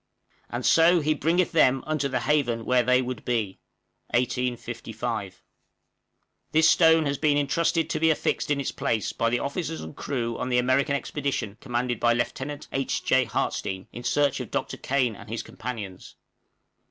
"AND SO HE BRINGETH THEM UNTO THE HAVEN WHERE THEY WOULD BE." 1855. This stone has been entrusted to be affixed in its place by the Officers and Crew on the American Expedition, commanded by Lt. H. J. Hartstein, in search of Dr. Kane and his Companions.